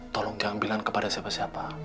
tolong jangan bilang kepada siapa siapa